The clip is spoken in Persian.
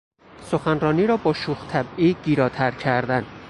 سخنرانی را با شوخ طبعی گیراتر کردن